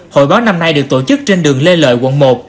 hội báo năm nay được tổ chức trên đường lê lợi quận một